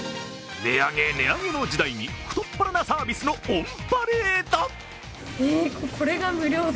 値上げ、値上げの時代に太っ腹なサービスのオンパレード。